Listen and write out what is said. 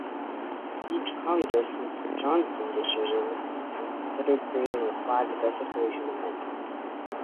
Each Congress since the "Johnson" decision has considered creating a flag desecration amendment.